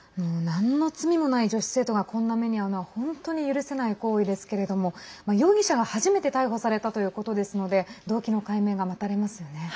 なんの罪もない女子生徒がこんな目に遭うのは本当に許せない行為ですけれども容疑者が初めて逮捕されたということですので動機の解明が待たれますよね。